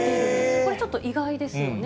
これちょっと意外ですよね。